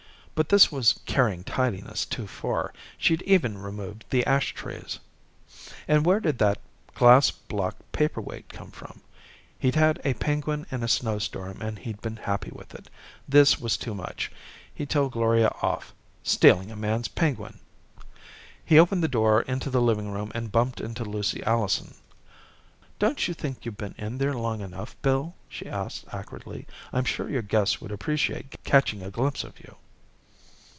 But this was carrying tidiness too far; she'd even removed the ashtrays. And where did that glass block paperweight come from? He'd had a penguin in a snowstorm and he'd been happy with it. This was too much. He'd tell Gloria off. Stealing a man's penguin! He opened the door into the living room and bumped into Lucy Allison. "Don't you think you've been in there long enough, Bill?" she asked acridly. "I'm sure your guests would appreciate catching a glimpse of you."